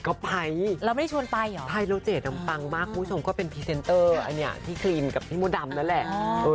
เราไม่ได้ชวนไปหรอพายโลเจน้ำปังมากคุณผู้ชมก็เป็นพรีเซนเตอร์อันนี้ที่ครีมกับที่มดำนั่นแหละ